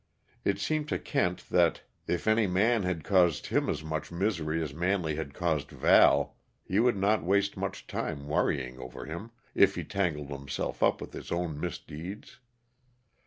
It seemed to Kent that, if any man had caused him as much misery as Manley had caused Val, he would not waste much time worrying over him, if he tangled himself up with his own misdeeds.